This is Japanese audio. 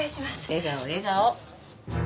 笑顔笑顔。